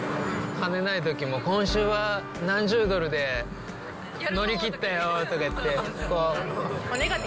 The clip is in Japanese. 金ないときも、今週は何十ドルで乗り切ったよとか言って。